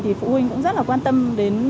thì phụ huynh cũng rất là quan tâm đến